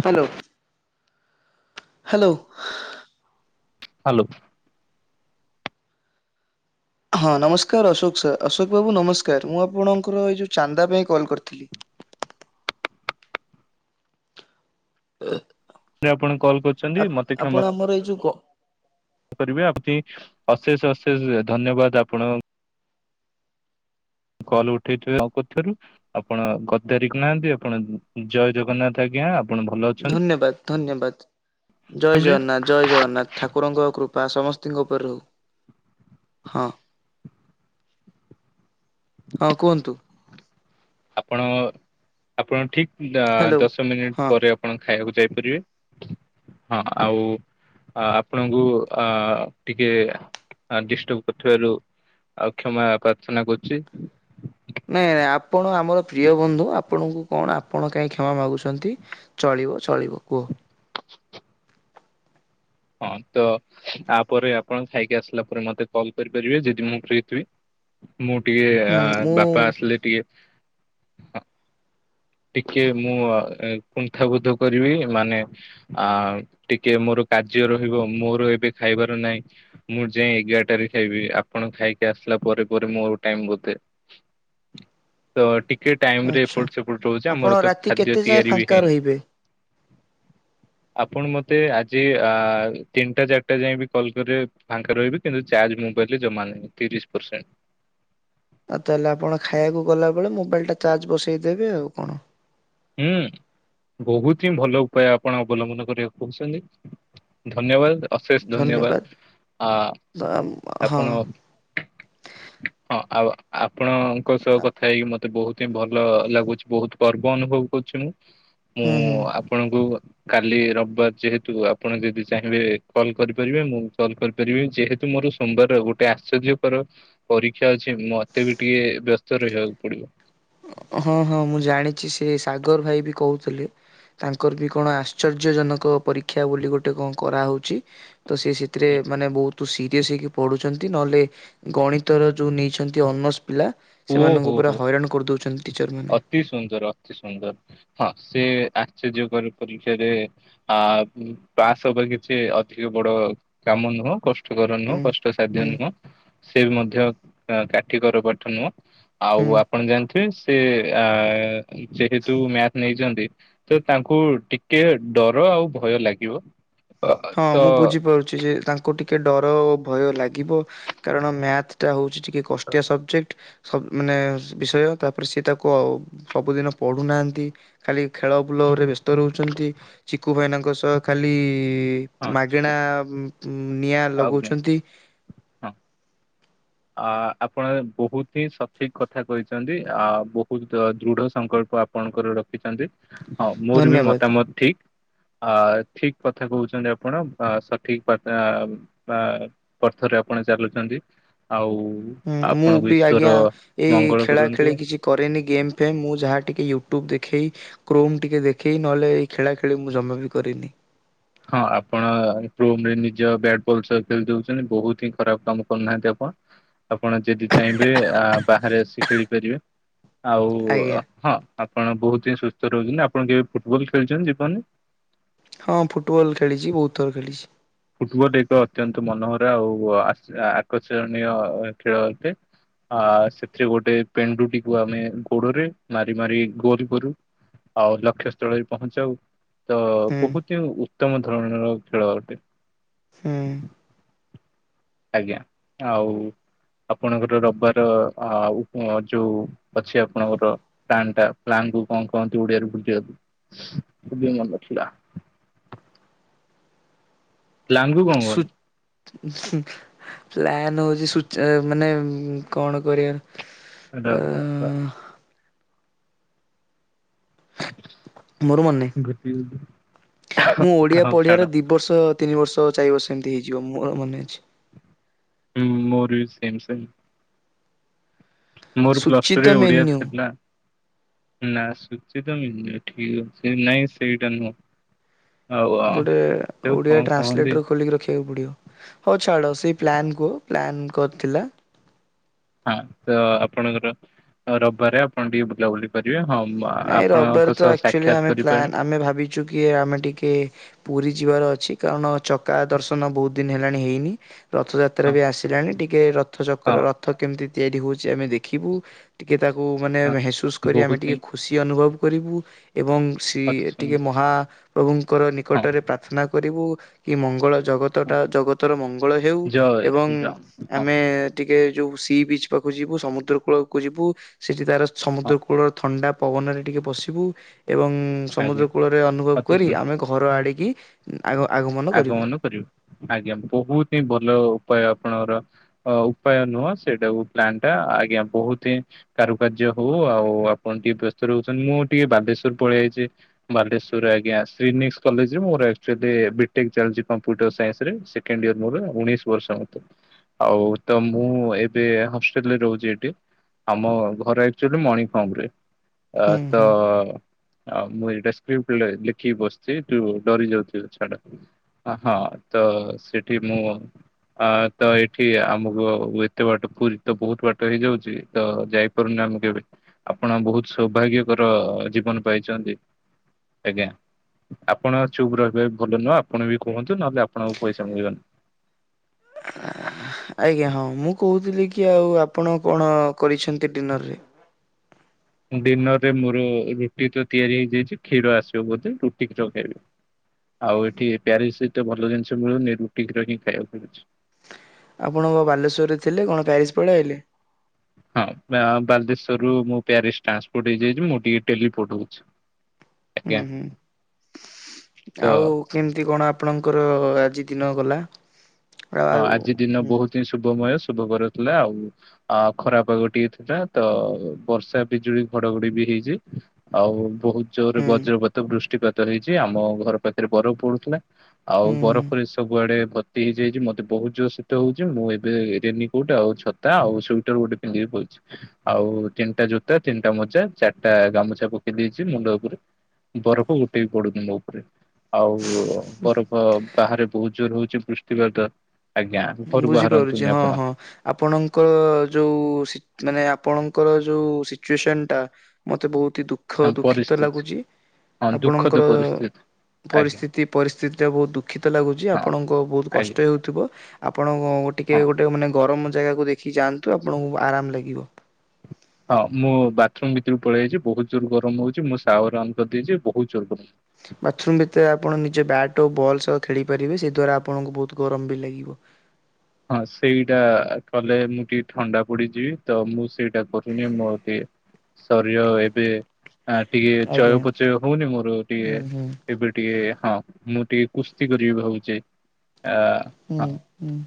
Hello hello. Hello. ହଁ ନମସ୍କାର ଅଶୋକ ସ ଅଶୋକ ବାବୁ ନମସ୍କାର ମୁଁ ଆପଣଙ୍କର ଏଇ ଯୋଉ ଚାନ୍ଦା ପାଇଁ କଲ୍ କରିଥିଲି। [inaudible] [unintelligible] ଆପଣ କଲ୍ କରୁଛନ୍ତି ଆପ୍ ମୋତେ କ୍ଷମ ଆପଣ ଆମର ଏଇ ଯୋଉ ଗ କରିବେ ଆ ଅଶେଷ ଅଶେଷ ଧନ୍ୟବାଦ ଆପଣ କଲ ଉଠେଇଥିବ କରଥାରୁ ଆପଣ ଗତ ତାରିଖ ନାହାନ୍ତି ଆପଣ ଜୟ ଜଗନ୍ନାଥ ଆଜ୍ଞା। ଆପଣ ଭଲ ଅଛନ୍ତି? ଧନ୍ୟବାଦ ଧନ୍ୟବାଦ ଜୟ ଜଗନ୍ନାଥ, ଜୟ ଜଗନ୍ନାଥ ଠାକୁରଙ୍କ କୃପା ବା ସମସ୍ତଙ୍କ ଉପରେ ରହୁ, ହ। ହଁ କୁହନ୍ତୁ? ଆପଣ ଆପଣ ଠିକ ହ୍ୟାଲୋ। ଦଶ ମିନିଟ ହଁ ପରେ ଆପଣ ଖାଇବାକୁ ଯାଇପାରିବେ ହଁ, ଆଉ ଆ ଆପଣଙ୍କୁ ଆ ଟିକେ ଆ ଡିଷ୍ଟର୍ବ କରିଥିବାରୁ ଆଉ କ୍ଷମା ପ୍ରାର୍ଥନା କରୁଛି। ନାଇଁ ଆପଣ ଆମର ପ୍ରିୟ ବନ୍ଧୁ। ଆପଣଙ୍କୁ କଣ ଆପଣ କାଇହିଁ କ୍ଷମା ମାଗୁଛନ୍ତି ଚଳିବ ଚଳିବ କୁହ? ହଁ ତ ତାପରେ ଆପଣ ଖାଇକି ଆସିଲା ପରେ ମତେ କଲ କରିପାରିବେ ଯଦି ମୁଁ ଫ୍ରିଥିବି। ମୁଁ ଟିକେ ହୁଁ ଆ ମୁଁ ବାପା ଆସିଲେ ଟିକେ ଆ ଟିକେ ମୁଁ କୁଣ୍ଥାବୋଧ କରିବି ମାନେ ଆ ଟିକେ ମୋର କାର୍ଯ୍ୟ ରହିବ ମୋର ଏବେ ଖାଇବାର ନାହିଁ ମୁଁ ଯାଇଏ ଏଗାରଟାରେ ଖାଇବି ଆପଣ ଖାଇକି ଆସିଲେ ପରେ ପରେ ମୁଁ ଟାଇମ ବୋଧେ ତ ଟୀ ଟେ ଟାଇମରେ ଆଚ୍ଛା। ଏପଟ ସେପଟ ରହୁଛି, ଆପଣ ଆମର ତ ରାତି ଖାଦ୍ୟ କେତେ ଯାଏଁ ତିଆରି ବି ଫାଙ୍କା ହେଇନି। ରହିବେ? ଆପଣ ମତେ ଆ ଜି, ଆ-ଆ ତିନିଟା ଚାରିଟା ଯାଇଏଁ ବି କଲ୍ କରିବେ ଫାଙ୍କା ରହିବି, କିନ୍ତୁ ଚାର୍ଜ ମୁବାଇଲେ ଜମା ନହିଁ। ବିଶ୍ ପରସେଣ୍ଟ। ଆଉ ତାହେଲେ ଆପଣ ଖାଇବାକୁ ଗଲାବେଳେ ମୋବାଇଲ ଟା ଚାର୍ଜ ବସେଇଦେବେ ଆଉ କଣ? ହୁଁ। ବହୁତ ହିଁ ଭଲ ଉପାୟ ଆପଣ ଅବଲମ୍ବନ କରିବାକୁ କହୁଛନ୍ତି, ଧନ୍ୟବାଦ ଅଶେଷ ଧନ୍ୟବାଦ, ଆ ଆ ହଁ ଆପଣ, ହଁ ଆଉ ଆପଣଙ୍କ ସହ କଥା ହେଇକି ମତେ ବହୁତ ହିଁ ଭଲ ଲାଗୁଛି, ବହୁତ ଗର୍ବ ଅନୁଭବ କରୁଛି ମୁଁ। ମୁଁ ହୁଁ ହୁଁ ଆପଣଙ୍କୁ କାଲି ରବିବାର ଯେହେତୁ ଆପଣ ଯଦି ଚାହିଁବେ କଲ୍ କରିପାରିବେ, ମୁଁ କଲ କରିପାରିବି, ଯେହେତୁ ମୋର ସୋମବାର ଗୋଟେ ଆଶ୍ଚର୍ଯ୍ୟକର ପରୀକ୍ଷା ଅଛି, ମତେ ବି ଟିକେ ବ୍ୟସ୍ତ ରହିବାକୁ ପଡିବ। ହଁ ହଁ ମୁଁ ଜାଣିଛି ସେ ସାଗର ଭାଇ ବି କହୁଥିଲେ। ତାଙ୍କର ବି କଣ ଆଶ୍ଚର୍ଯ୍ୟ ଜନକ ପରୀକ୍ଷା ବୋଲି ଗୋଟେ କଣ କରାହଉଛି। ତ ସେ ସେଥିରେ ମାନେ ବହୁତ ସିରିଅସ ହେଇକି ପଢୁଛନ୍ତି। ନହଲେ ଗଣିତର ଯୋଉ ନେଇଛନ୍ତି, ଅନର୍ସ ପିଲା ହୁଁ, ଓ ସେମାନଙ୍କୁ ହୋ ପୁରା ହୋ। ହଇରାଣ କରିଦଉଛନ୍ତି ଟିଚର ମାନେ ଅତି ସୁନ୍ଦର ଅତି ସୁନ୍ଦର ହଁ। ସେ ଆଶ୍ଚର୍ଯ୍ୟକ ପରୀକ୍ଷାରେ ଆ ପାସ୍ ହବା କିଛି ଅଧିକ ବଡ କାମ ନୁହଁ କଷ୍ଟ କଷ୍ଟକର ନୁହଁ, ହୁଁ କଷ୍ଟସାଧ୍ୟ ହୁଁ ନୁହଁ ସେ ମଧ୍ୟ କାଠ କର ପାଠ ନୁହଁ। ଆଉ ହୁଁ ଆପଣ ଜାଣିଥିବେ, ସେ ଆ ଯେହେତୁ ମ୍ୟାଥ ନେଇଛନ୍ତି ତ ତାଙ୍କୁ ଟିକେ ଡର ଆଉ ଭୟ ଲାଗିବ। ଅ, ହଁ ତ ମୁଁ ବୁଝିପାରୁଛି ଯେ ତାଙ୍କୁ ଟିକେ ଟିକେ ଡର ଓ ଭୟ ଲାଗିବ, କାରଣ ମ୍ୟାଥ ଟା ହଉଛି ଟିକେ କଷ୍ଟିଆ ସବଜେକ୍ଟ ସବ ମାନେ ବିଷୟ ତାପରେ ସି ତାକୁ ସବୁଦିନ ପଢୁନାହାନ୍ତି ଖାଲି ଖେଳ ବୁଲ ବ୍ୟସ୍ତ ରହୁଛନ୍ତି ଚିକୁ ଭାଇନାଙ୍କ ସହ ଖାଲି ହଁ ଚିକୁ ମାଗେଣା ନିଆଁ ଅଗ୍ନି ଲଗଉଛନ୍ତି। ଅ ଆପଣ ବହୁତ ହିଁ ସଠିକ କଥା କହିଛନ୍ତି, ଆ ବହୁତ ଦୃଢ ସଂକଳ୍ପ ଆପଣଙ୍କର ରଖିଛନ୍ତି ହଁ ମୋର ବି ଧନ୍ୟବାଦ ମତାମତ ଠିକ୍ ଆ ଠିକ୍ କଥା କହୁଛନ୍ତି, ଆପଣ ସଠିକ ଥରେ ଆପଣ ଚାଲୁଛନ୍ତି, ଆଉ ହୁଁ ମୁଁ ଆପଣଙ୍କୁ ବି ଈଶ୍ୱର ଆଜ୍ଞା ଏଇ ମଙ୍ଗଳ ଖେଳା କରନ୍ତୁ ଖେଳି କିଛି କରେନି, ଗେମ୍ ଫେମ ମୁଁ ଯାହା ଟିକେ ୟୁଟ୍ୟୁବ ଦେ ଖେଇ, କ୍ରୋମ ଟିକେ ଦେଖେଇ ନହେଲେ ଏଇ ଖେଳା ଖେଳି ମୁଁ ଜମା ବି କରିନି। ହଁ ଆପଣ କ୍ରୋମ ରେ ନିଜ ବ୍ୟାଟ ବଲ ସହ ଖେଳି ଦଉଛନ୍ତି, ବହୁତ ହିଁ ଖରାପ କାମ କରୁନାହାନ୍ତି ଆପଣ ଆପଣ ଯଦି ଚାହିଁବେ ଆ ବାହାରେ ଆସି ଖେଳିପାରିବେ, ଆଉ ଆଜ୍ଞା ହଁ ଆପଣ ବହୁତ ହିଁ ସୁସ୍ଥ ରହୁଛନ୍ତି। ଆପଣ କେବେ ଫୁଟବଲ ଖେଳୁଛନ୍ତି ଜୀବନ ରେ? ହଁ ଫୁଟବଲ ଖେଳିଛି ବହୁତ ଥର ଖେଳିଛି। ଫୁଟବଲ ଏକ ଅତ୍ୟନ୍ତ ମନୋହର ଆଉ ଆକର୍ଷଣୀୟ ଖେଳ ଅଟେ। ଆ ସେଥିରେ ଗୋଟେ ପେଣ୍ଡୁଟିକୁ ଆମେ ଗୋଡରେ ମାରି ମାରି ଗୋଲ କରୁ। ଆଉ ଲକ୍ଷ୍ୟସ୍ଥଳରେ ପହଞ୍ଚାଉ। ତ ହୁଁ ବହୁତ ଉତ୍ତମ ଧରଣର ଖେଳ ଅଟେ। ହୁଁ। ଆଜ୍ଞା, ଆଉ ଆପଣଙ୍କର ରବିବାର ଯୋଉ ଅଛି ଆପଣଙ୍କର ପ୍ଲାଣ୍ଟ୍ ଟା ତାଙ୍କୁ କଣ କହନ୍ତି ଓଡିଆ ରେ ଭୁଲିଗଲି, କିନ୍ତୁ ମନେ ରଖିବା। ଲାନଙ୍କୁୁ କଣ ପ୍ଲାନ ହଉଛି ସୁ--ମାନେ କଣ କରିବା। କହନ୍ତି? ଆ୍ ମୋର ଗୋଟିଏ ମନେନାହିଁ, ମୁଁ ଓଡିଆ ହଉ ଛାଡ ପଢିବାର ଦି ବର୍ଷ ତିନି ବର୍ଷ, ଚାର ବର୍ଷ, ଏମିତି ହେଇଯିବ, ମୋର ମନେ ଅଛି। ହୁଁ, ମୋର ବି ସେମ୍ ସେମ୍ । ମୋର ପ୍ଲସ ଟୁ ସୂଚିତ ରେ ଓଡିଆ ମେନ୍ୟୁ ଥିଲା। ନା ସୁଚି ତ ମି ଠିକ ଅଛି, ନାଇଁ ସେଇଟା ନୁହଁ । ଗୋଟେ ଓଡିଆ ଟ୍ରାନ୍ସଲେଟର ଖୋଲିକି ରଖି ପଡିବ ହଉ ଛାଡ ସେଇ ପ୍ଲାନ କୁହ, ପ୍ଲାନ କରିଥିଲା, ହଁ ତ ଆପଣଙ୍କର ରବିବାରେ ଆପଣ ଟିକେ ବୁଲାବୁଲି କରିବେ, ହଁ ମ- ନାଇଁ ଆପଣଙ୍କ ରବିବାର ତ ସହ ଆକ୍ଚୁଆଲି ସାକ୍ଷାତ ଆମେ କରିପାରେ ପ୍ନ୍ ଆମେ ଭାବିଛୁ କି ଆମେ ଟିକେ ପୁରୀ ଯିବାର ଅଛି, କାରଣ ଚକା ଦର୍ଶନ ବହୁତ ଦିନ ହେଲାଣି ହେଇନି, ରଥଯାତ୍ରା ହଁ ବି ଆସିଲାଣି, ଟିକେ ରଥ ହଁ ଚକ୍ର ରଥ କେମିତି ତିଆରି ହଉଛି ଆମେ ଦେଖିବୁ, ଟିକେ ତାକୁ ମାନେ ହଁ ମେହସୁସ କରି ଆମେ ବହୁତ ଟିକେ ହିଁ ଖୁସି ଅନୁଭବ କରିବୁ, ଏବଂ ସ ଅତି ଟିକେ ସୁନ୍ଦର ମହାପ୍ରଭୁଙ୍କର ହଁ ନିକଟରେ ପ୍ରାର୍ଥନା କରିବୁ କି ମଙ୍ଗଳ ଜଗତ ହଁ ଟା ଜଗତର ମଙ୍ଗଳ ହେଉ ଜୟ ଏବଂ ଶ୍ରୀରାମ ହଁ ଆମେ ଟିକେ ଯୋଉ ସି ବିଚ୍ ପାଖକୁ ଯିବୁ, ସମୁଦ୍ର କୂଳକୁ ଯିବୁ, ସେଠି ତାର ହଁ ସମୁଦ୍ର କୂଳର ଥଣ୍ଡା ପବନରେ ଟିକେ ବସିବୁ ଏବଂ ଆଜ୍ଞା ସମୁଦ୍ର କୂଳରେ ଅନୁଭବ ଅତି କରି ସୁନ୍ଦର। ଆମେ ଘର ଆଡ଼ିକି ଆଗମନ କରିବୁ, ଆଜ୍ଞା ବହୁତ ହିଁ ଭଲ ଉପାୟ ଆପଣଙ୍କର ଅ ଉପାୟ ନୁହଁ ସେଇଟା ପ୍ଲାନ୍ ଟା, ଆଜ୍ଞା, ବହୁତ ହଁ କାରୁକାର୍ଯ୍ୟ ହଉ ଆଉ ଆପ ଟିକେ ବ୍ୟସ୍ତ ରହୁଛନ୍ତି, ମୁଁ ଟିକେ ବାଲେଶ୍ଵର ପଳେଇ ଆଇଛି, ବାଲେଶ୍ୱରରେ ଆଜ୍ଞ। ନିକସ କଲେଜରେ ମୋର େ କମ୍ପଟର ସନ୍ସ ସେେଣ୍ଡ ଇର [unintelligible] ମୋର ଉଣେଇଶ ବର୍ଷ ମତେ। ଆଉ ତ ମୁଁ ଏବେ ହଷ୍ଟେଲରେ ରହୁଛି ଏଠି, ଆମ ଘର ଆକ୍ଚୁଆଲି ମଣିପର୍ମ ରେ, ହୁଁ ତ ହୁଁ ଆଉ ମୁଁ ଏଇଟା ସ୍ [unintelligible] ଲେଖିକି ବସିଛି, ତୁ ଡରି ଯାଉଛୁ ହଁ ତ ସେଠି ମୁଁ ଅ ତ ଏଇଠି ଆମକୁ ଏତେ ବାଟ ପୁରୀ ତ ବହୁତ ବାଟ ହେଇଯାଉଛି ତ ଯାଇପାରୁନି, କେବେ ଆପଣ ବହୁତ ସୌଭାଗ୍ୟକର ଜୀବନ ପାଇଛନ୍ତି। ଆଜ୍ଞା, ଆପଣ ଚୁପ ରହିବେ ଭଲ ନୁହଁ ଆପଣ ବି କୁହନ୍ତୁ? ନହେଲେ ଆପଣଙ୍କୁ ପଇସା ମିଳିବନି। ଆଜ୍ଞା, ହଁ ମୁଁ କହୁଥିଲି କି ଆଉ ଆପଣ କଣ କରିଛନ୍ତି ଡିନରରେ? ଡିିନର ରେ ମୋର ରୁଟି ତ ତିଆରି ହେଇଯାଇଛି, କ୍ଷୀର ଆସିବ ବୋଧେ ରୁଟିି କ୍ଷୀର ଖାଇବି। ଆଉ ଏଠି ପ୍ୟାରି ସହିତ ଭଲ ଜିନିଷ ମିଳୁନି, ରୁଟି କ୍ଷୀର ହଁ ଖାଇବାକୁ ମିଳୁଛି, ଆପଣଙ୍କ ବାଲେଶ୍ଵରରେ ଥିଲେ କଣ ପ୍ୟାରିସ ପଳେଇ ଆଇଲେ? ହଁ ବାଲେଶ୍ଵର ରୁ ମୁଁ ପ୍ୟାରିସ ଟ୍ରାନ୍ସପୋର୍ଟ ହେଇଯାଇଛି ମୁଁ ଟିକେ ଟେଲିପୋର୍ଟ ହଉଛି। ହୁଁ, ଆଜ୍ଞା ହୁଁ, ତ ଆଉ କେମିତି କଣ--? ଆପଣଙ୍କର ଆଜି ଦିନ ଗଲା । ହଁ, ଆଜି ଦିନ ବହୁତ ହିଁ ଶୁଭମୟ, ଶୁଭ କରର ଥିଲା ଆଉ ଖରାପାଗ ଟିକେ ଥିଲା ତ, ବର୍ଷା ବିଜୁଳି ଘଡଘଡି ବି ଛି ଆଉ ବହୁତ ଜୋରରେ ହୁଁ ବଜ୍ରପାତ ବୃଷ୍ଟିପାତ ହେଇଛି, ଆମ ଘର ପାଖରେ ବରଫ ପଡୁଥିଲା, ଆଉ ହୁଁ ହୁଁ। ବରଫରେ ସବୁଆଡେ ଭର୍ତ୍ତି ହେଇଯାଇଛି ମ ବହୁତ ଜୋର ଶୀତ ହଉଛି, ମୁଁ ଏବେ ରେନକୋଟ ଆଉ ଛତା ଆଉ ସ୍ଟଟର ଗୋଟେ ପିନ୍ଧିକି ବୁଲଛି, ଆଉ ଆଉ ତିନିଟା ଜୋତା, ତିନିଟା ମୋଜା, ଚାରିଟା ଗାମୁଛା ପକେଇ ଦେଇଛି ମୁଣ୍ଡ ଉପରେ ବରଫ ଗୋଟେବି ପଡ଼ୁନି ମୋ ଉପରେ। ଆଉ ବରଫ, ବାହାରେ ବହୁତ ଜୋର ହଉଛି ବୃଷ୍ଟିପାତ ଆଜ୍ଞା ଘରୁ ବୁଝିପାରୁଛି, ବାହାରନ୍ତୁନି ହଁ ଆପଣ ହଁ ଆପଣଙ୍କ ଯୋଉ ମାନେ ଆପଣଙ୍କର ଯୋଉ ସିଚୁଏସନ ଟା ମତେ ବହୁତ ହି ଦୁଃଖ ହଁ ଦୁଃଖିତ ପରିସ୍ଥିତି ଲାଗୁଛି, ହଁ ଦୁଃଖଦ ଆପଣଙ୍କର ପରିସ୍ଥିତି ଆଜ୍ଞା। ପରିସ୍ଥିତି, ପରିସ୍ଥିତି ଟା ବହୁତ ଦୁଃଖିତ ଲାଗୁଛି, ହଁ ଆପଣଙ୍କ ବହୁତ କଷ୍ଟ ଆଜ୍ଞା ହେଉଥିବ, ଆପଣ ଟିକେ ହଁ। ଗୋଟେ ମାନେ ଗରମ ଜାଗାକୁ ଦେଖିକି ଯାଆନ୍ତୁ, ଆପଣଙ୍କୁ ଆରାମ ଲାଗିବ। ହଁ ମୁଁ ବାଥରୁମ ଭିତରୁ ପଳେଇ ଆସିଛି, ବହୁତ ଜୋର ଗରମ ହଉଛି, ମୁଁ ସାଉୟାର୍ ଅନ୍ କରିଦେଇଛି ବହୁତ ଜୋର ଗରମ। [inaudible] ବାଥରୁମ ଭିତରେ ଆପଣ ନିଜ ବ୍ୟାଟ୍ ଓ ବଲ୍ ସହ ଖେଳି ପାରିବେ ସେ ଦ୍ୟୁରା ଆପଣଙ୍କୁ ବହୁତ ଗରମ ବି ଲାଗିବ। ହଁ ସେଇଟା କଲେ ମୁଁ ଟିକେ ଥଣ୍ଡା ପଡିଯିବି ତ ମୁଁ ସେଇଟା କରୁନି ମୋର ଟିକେ ଶରୀର ଏବେ ଆ ଟିକେ ଆଜ୍ଞା ଚୟପଚୟ ହଉନି ମୋର ଟିକେ ହୁଁ ହୁଁ ଏବେ ଟିକେ ହଁ ମୁଁ ଟିକେ କୁସ୍ତି କରିବି ଭାବୁଛି। ଆ ହୁଁ ହଁ ହୁଁ।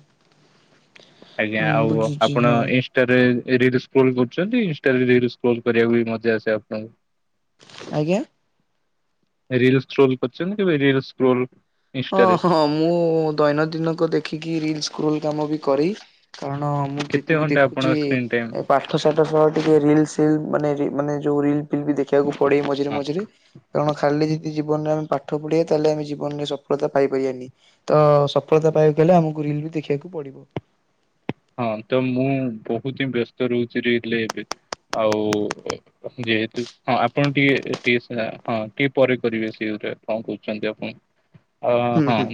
ଆଜ୍ଞା ହୁଁ ଆଉ ବୁଝୁଛି ଆପଣ ହଁ ଇନଷ୍ଟାରେ ରିଲ୍ସ ସ୍କ୍ରୋଲ କରୁଛନ୍ତି ଇନଷ୍ଟା ରେ ରିଲ ସ୍କୋଲ କରିବାକୁ ବି ମଧ୍ୟ ଆସେ ଆପଣଙ୍କୁ । ଆଜ୍ଞା। ରିଲସ୍ କ୍ରୋଲ୍ କରଛନ୍ତି କେବେ ରିଲସ କ୍ରୋଲ? ହଁ ହଁ ମୁଁ ଦୈନଦିନଙ୍କ ଦେଖିକି ରିଲସ୍ କ୍ରୋଲ କାମ ବି କରେ। କାରଣ ମୁଁ କେତେ ଯେତିକି ଘଣ୍ଟା ଆପଣ ଦେଖୁଛି ସ୍କ୍ରିନ୍ ଟାଇମ୍ ପାଠ ସାଠ ସହ ଟିକେ ରିଲ ସିଲ୍ ମାନେ ମାନେ ଯୋଉ ରିଲ ଫଲ ବି ଦେଖିବାକୁ ପଡେ ମଝିରେ ହଁ ମଝିରେ। କାରଣ ଖାଲି ଯଦି ଜୀବନରେ ଆମେ ପାଠ ପଢିବା ତାହେଲେମେ ଜୀବନରେ ସଫଳତା ପାଇପାରିବାନି ତ ସଫଳତା ପାଇବାକୁ ହେଲେ ଆମକୁ ରିଲ ବି ଦେଖିବାକୁ ପଡିବ। ହଁ ତ ମୁଁ ବହୁତ ହିଁ ବ୍ୟସ୍ତ ରହୁଛି ରିଲ୍ ରେ ଏବେ। ଆଉ ଯେହେତୁ ହଁ ଆପଣ ଟିକେ ଟିକେ ହଁ ଟିକେ ପରେ କରିବେ ସେ। କଣ କହୁଛନ୍ତି ଆପଣ? ଅ ହୁଁ ହଁ ହୁଁ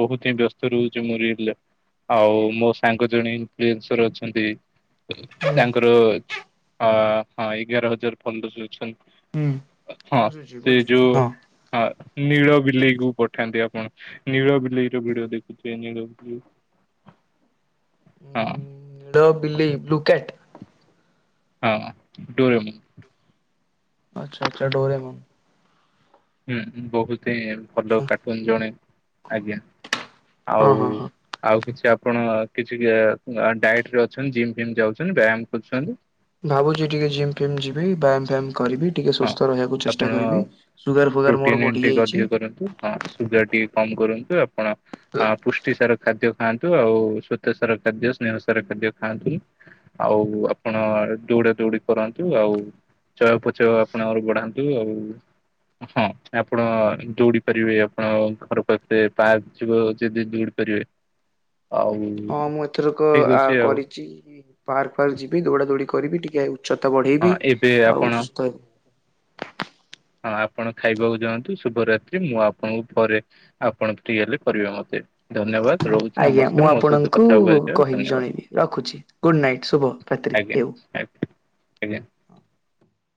ବହୁତ ହିଁ ବ୍ୟସ୍ତ ରହୁଛି ମୁ ରିଲ ରେ ଆଉ ମୋ ସାଙ୍ଗ ଜଣେ [unintelligible] ଅଛନ୍ତି । ତାଙ୍କର ଅ ହଁ ଏଗାର ହଜାର ଫୋଲୋରସ୍ ହୁଁ ଅଛନ୍ତି। ହଁ ସେ ଯୋଉ ହଁ। ହଁ ନୀଳ ବିଲେଇ କୁ ପଠାନ୍ତି ଆପଣ ନୀଳ ବିଲେଇ ର ଭିଡିଓ ଦେଖୁେ ନୀଳ ବିଲେଇ। ହଁ। ନୀଳ ବିଲେଇ ବ୍ଲୁ କ୍ୟାଟ୍। ହଁ ଟ। [unintelligible] ଆଛା ଆଛା ଡୋରେମନ୍। ହୁଁ ବହୁତ ହିଁ ଭଲ କାର୍ଟୁନ ଜଣେ, ଆଜ୍ଞା। ହଁ ଆଉ ହଁ ହଁ। ଆଉ କିଛି ଆପଣ କିଛି ଡାଏଟ ରେ ଅଛନ୍ତି ଜିମ୍ ଫିମ୍ ଯାଉଛନ୍ତି ବ୍ୟାୟାମ କରୁଛନ୍ତି? ଭାବୁଛି ଟିକେ ଜିମ୍ ଫିମ୍ ଯିବି ବ୍ୟାୟାମ ଫ୍ୟମ୍ କରିବି ଟିକେ ହଁ ସୁସ୍ଥ ରହିବାକୁ ଚେଷ୍ଟା କରିବି ଆପଣ ସୁଗାର ଫୁଗାର ପ୍ରୋଟିନ ମୋର ବଢି ଯାଇଛି। କମ୍ କରନ୍ତୁ ଆପଣ ପୃଷ୍ଟି ସାର ଖାଦ୍ୟ ଖାଆନ୍ତୁ ଆଉ ସ୍ଵତ ସାର ଖାଦ୍ୟ, ସ୍ନେହ ସାର ଖାଦ୍ୟ ଖାଆନ୍ତୁ। ଆଉ ଆପଣ ଦୌଡା ଦୌଡି କରନ୍ତୁ ଆଉ ଚୟପଚୟ ଆପଣଙ୍କର ପଢାନ୍ତୁ ଆଉ। ହଁ ଆପଣ ଦୌଡି ପାରିବେ ଆପଣ ଘର ପାଖରେ ପାର୍କ ଥିବ ଯଦି ଦୌଡି ପାରିବେ। ହଁ [inaudible] ହଁ ମୁଁ ଏଥରକ ଆ ଆଉ କରିଛି ପାର୍କ ଫାର୍କ ଯିବି ଦୌଡା ଦୌଡି କରିବି ଟିକେ ହେ ତା ହଁ ବଢେଇବି ଏବେ ଆଉ ଆପଣ ସୁସ୍ଥ ହେବି। ହଁ ଆପଣ ଖାଇବାକୁ ଯାଆନ୍ତୁ ଶୁଭରାତ୍ରି ମୁଁ ଆପଣଙ୍କୁ ପରେ ଆପଣ ଫ୍ରି ହେଲେ କରିବେ ମତେ। ଧନ୍ୟବାଦ ରହୁଛି ଆଜ୍ଞା ମୁଁ ନମସ୍କାର ମୋ ସହିତ ଆପଣଙ୍କୁ କଥା ହେଇଥିବାରୁ କହିବି ଜଣେଇବି ରଖୁଛି। ଧନ୍ୟବାଦ। ଗୁଡ୍ ନାଇଟ୍ ଶୁଭ ରାତ୍ରି ଆଜ୍ଞା ହେଉ। ଆଜ୍ଞା ଆଜ୍ଞା।